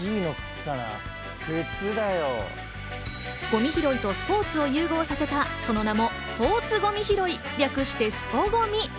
ゴミ拾いとスポーツを融合させた、その名もスポーツＧＯＭＩ拾い、略してスポＧＯＭＩ。